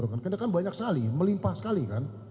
karena kan banyak sekali melimpah sekali kan